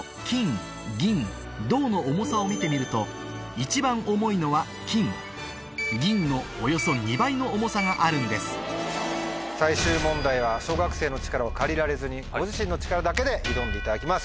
一番重いのは金銀のおよそ２倍の重さがあるんです最終問題は小学生の力を借りられずにご自身の力だけで挑んでいただきます。